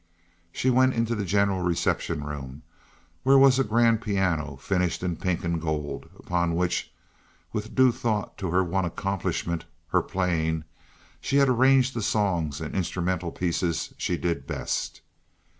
She went into the general reception room, where was a grand piano finished in pink and gold, upon which, with due thought to her one accomplishment—her playing—she had arranged the songs and instrumental pieces she did best.